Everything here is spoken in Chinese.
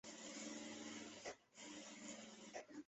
肋与脊柱通过关节相连。